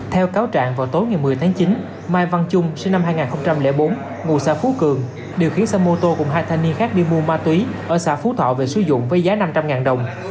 theo cáo trạng vào tối ngày một mươi tháng chín mai văn trung sinh năm hai nghìn bốn ngụ xã phú cường điều khiển xe mô tô cùng hai thanh niên khác đi mua ma túy ở xã phú thọ về sử dụng với giá năm trăm linh đồng